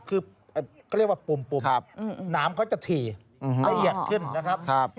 คือเขาเรียกว่าปุ่มน้ำเขาจะถี่ละเอียดขึ้นนะครับ